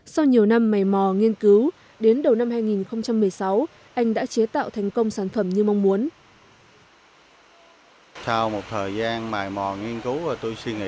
sau nhiều năm mầy mò nghiên cứu đến đầu năm hai nghìn một mươi sáu anh đã chế tạo thành công sản phẩm như mong muốn